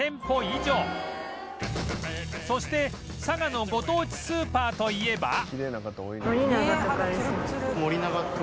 そして佐賀のご当地スーパーといえば